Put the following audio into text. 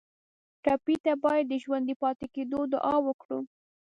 ټپي ته باید د ژوندي پاتې کېدو دعا وکړو.